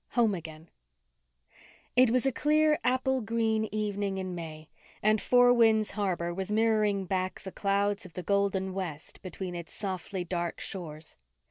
HOME AGAIN It was a clear, apple green evening in May, and Four Winds Harbour was mirroring back the clouds of the golden west between its softly dark shores.